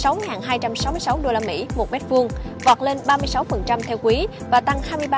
sáu hai trăm sáu mươi sáu usd một m hai vọt lên ba mươi sáu theo quý và tăng